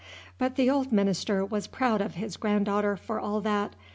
But the old minister was proud of his granddaughter for all that.